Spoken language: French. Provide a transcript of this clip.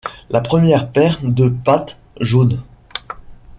La première paire de patte jaune.